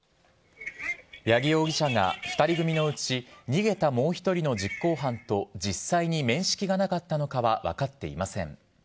八木容疑者が２人組のうち、逃げたもう１人の実行犯と実際に面識がなかったのかは分かっていません。